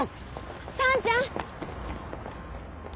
さんちゃん！